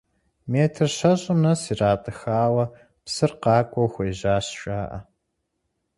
Метр щэщӏым нэс иратӏыхауэ псыр къакӏуэу хуежьащ жаӏэ.